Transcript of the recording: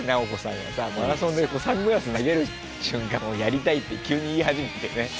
がさマラソンでサングラス投げる瞬間をやりたいって急に言い始めてね。